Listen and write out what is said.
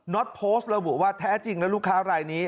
็อตโพสต์ระบุว่าแท้จริงแล้วลูกค้ารายนี้